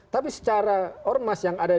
tapi secara ormas yang ada